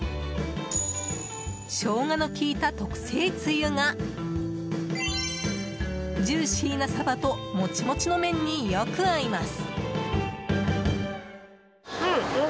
ショウガの効いた特製つゆがジューシーなサバとモチモチの麺によく合います。